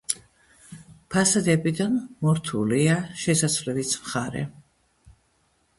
ფასადებიდან მორთულია შესასვლელის მხარე.